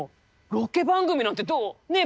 ロケ番組なんてどう？ねえ？